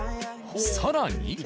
更に。